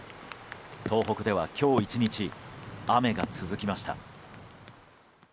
東北では、今日１日雨が続きました。